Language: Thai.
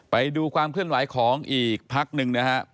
ไปดูความเคลื่อนไหวของอีกพักหนึ่งนะครับ